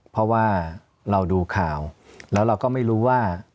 เพราะว่าเราดูข่าวแล้วเราก็ไม่รู้ว่า